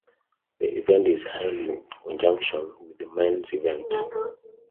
The event is held in conjunction with the men's event.